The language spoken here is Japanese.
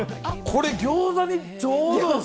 これギョーザにちょうどです。